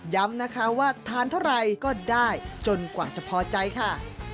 ย้ำนะคะว่าทานเท่าไรก็ได้จนกว่าจะพอใจค่ะ